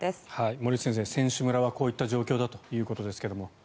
森内先生、選手村はこういった状況だということですが。